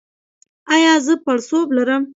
ایا زه پړسوب لرم؟